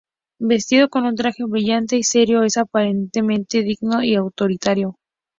Vestido con un traje brillante y serio, es aparentemente digno y autoritario.